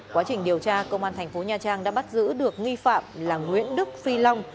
quá trình điều tra công an thành phố nha trang đã bắt giữ được nghi phạm là nguyễn đức phi long